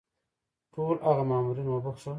ټول هغه مامورین وبخښل.